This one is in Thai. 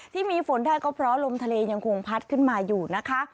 ที่มีฝนได้ก็เพราะลมทะเลยังคงพัดขึ้นมาอยู่นะคะ